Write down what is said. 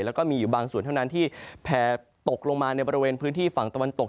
แล้วก็มีอยู่บางส่วนเท่านั้นที่แผ่ตกลงมาในบริเวณพื้นที่ฝั่งตะวันตก